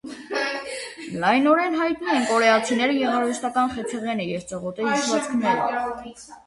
Լայնորեն հայտնի են կորեացիների գեղարվեստական խեցեղենը և ծղոտե հյուսվածքները։